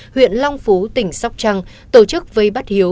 huyện long phú tỉnh sóc trăng tổ chức vây bắt hiếu